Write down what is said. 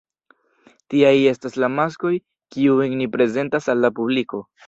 Tiaj estas la maskoj kiujn ni prezentas al la publiko.